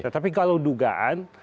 tapi kalau dugaan